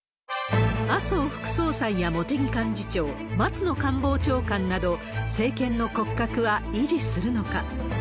麻生副総裁や茂木幹事長、松野官房長官など、政権の骨格は維持するのか。